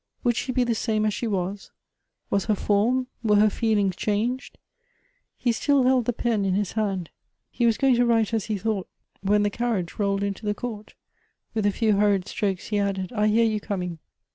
Would she be the same as she was ?— was her form, were her feelings changed ? He still held the pen in his hand ; he was going to write as he thought, when the carriage rolled into the court. With a few. hurried strokes he added :" I hear you coming.